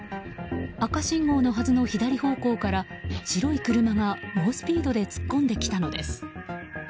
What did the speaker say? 赤信号のはずの左方向から白い車が猛スピードで突っ込んできたのです。